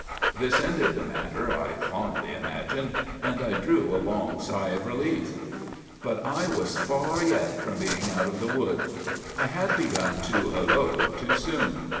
This ended the matter, I fondly imagined, and I drew a long sigh of relief. "But I was far yet from being out of the wood! I had begun to 'holloa' too soon!